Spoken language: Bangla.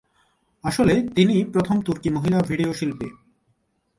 আসলে তিনিই প্রথম তুর্কি মহিলা ভিডিও শিল্পী।